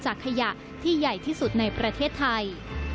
ขยะที่ใหญ่ที่สุดในประเทศไทย